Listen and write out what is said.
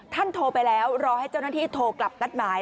โทรไปแล้วรอให้เจ้าหน้าที่โทรกลับนัดหมาย